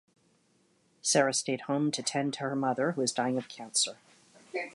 Sarah stayed home to tend to her mother, who was dying of cancer.